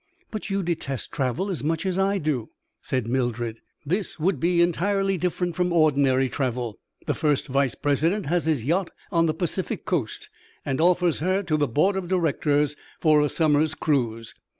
"But you detest travel as much as I do," said Mildred. "This would be entirely different from ordinary travel. The first vice president has his yacht on the Pacific Coast, and offers her to the board of directors for a summer's cruise."